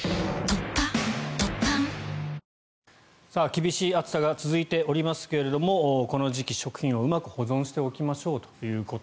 厳しい暑さが続いておりますけれどもこの時期、食品をうまく保存しておきましょうと。